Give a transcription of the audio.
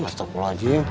pas toko lagi ya